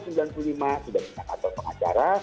sudah punya kantor pengacara